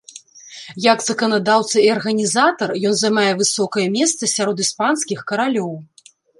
Як заканадаўца і арганізатар ён займае высокае месца сярод іспанскіх каралёў.